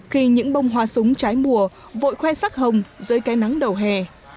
khi những bông hoa súng trái mùa vội khoe sắc hồng dưới cái nắng đầu hè